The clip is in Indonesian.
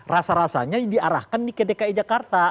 rasa rasanya diarahkan ke dki jakarta